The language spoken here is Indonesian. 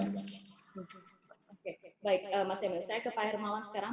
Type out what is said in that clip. oke baik mas emil saya ke pak hermawan sekarang